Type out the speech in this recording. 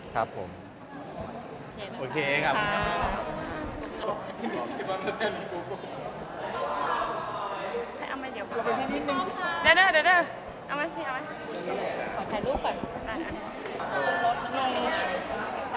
ทำไมที่สูงเลือดที่นี้มันไม่ใช่ครับ